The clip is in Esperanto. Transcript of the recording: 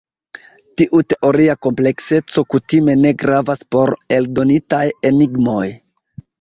Tiu teoria komplekseco kutime ne gravas por eldonitaj enigmoj.